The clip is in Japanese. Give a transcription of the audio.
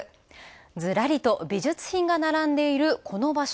ずらりと美術品が並んでいる、この場所。